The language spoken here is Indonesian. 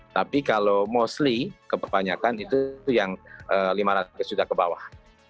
tapi kalau mostly kebanyakan itu yang lima ratus juta ke bawah